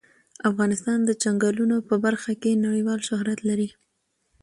افغانستان د چنګلونه په برخه کې نړیوال شهرت لري.